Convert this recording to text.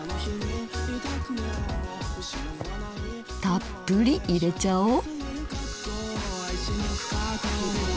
たっぷり入れちゃおう。